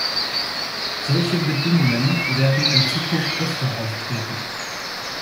Solche Bedingungen werden in Zukunft öfter auftreten.